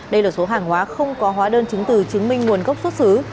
đây là số hàng hóa không có hóa đơn chứng từ chứng minh nguồn gốc xuất xứ